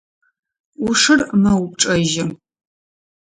Ӏушыр мэупчӏэжьы.